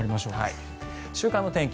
週間の天気